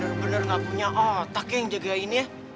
bener bener nggak punya otak yang jagainnya